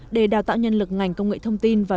để đào tạo nhân lực ngành công nghệ thông tin và